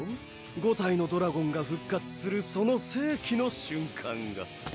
５体のドラゴンが復活するその世紀の瞬間が。